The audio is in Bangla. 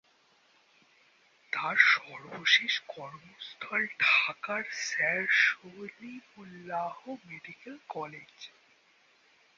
তার সর্বশেষ কর্মস্থল ঢাকার স্যার সলিমুল্লাহ মেডিকেল কলেজ।